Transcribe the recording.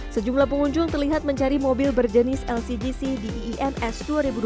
sejumlah pengunjung terlihat mencari mobil berjenis lcgc di iims dua ribu dua puluh